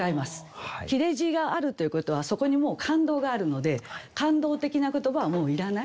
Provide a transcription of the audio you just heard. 切れ字があるということはそこにもう感動があるので感動的な言葉はもういらない。